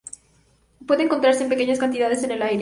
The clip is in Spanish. Puede encontrarse en pequeñas cantidades en el aire.